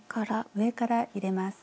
上から入れます。